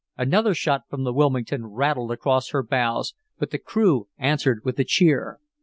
Another shot from the Wilmington rattled across her bows, but the crew answered with a cheer.